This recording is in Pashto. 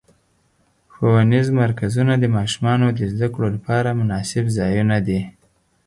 ښوونیز مرکزونه د ماشومانو د زدهکړو لپاره مناسب ځایونه دي.